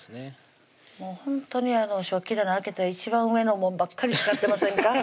ほんとに食器棚開けて一番上のもんばっかり使ってませんか？